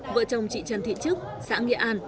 vợ chồng chị trân thị trức xã nghĩa an